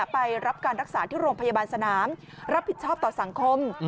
ไปรับการรักษาที่โรงพยาบาลสนามรับผิดชอบต่อสังคม